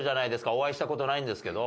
お会いした事ないんですけど。